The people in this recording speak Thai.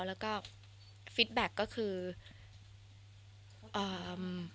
พอเราบอกไปว่าเรายืนยืนยันคำเดิม